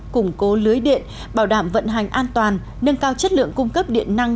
củng cố lưới điện bảo đảm vận hành an toàn nâng cao chất lượng cung cấp điện năng